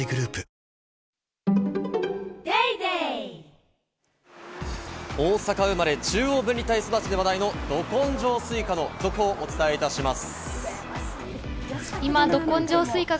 ニトリ大阪生まれ、中央分離帯育ちで話題の、ど根性スイカの続報をお伝えします。